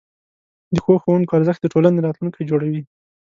د ښو ښوونکو ارزښت د ټولنې راتلونکی جوړوي.